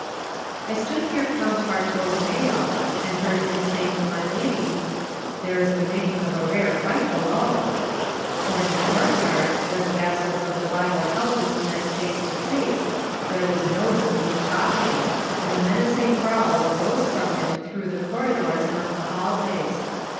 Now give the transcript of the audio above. I stood near Count Bartolommeo, and heard him say to my lady, "There is the making of a rare fight below,'' for in the 3 «i Digitized by Google THE NINTH MAN courtyard, where the vassals of the rival houses met face to face, there was no smooth talking, and a menacing growl arose from it through the corridors and up the hallways.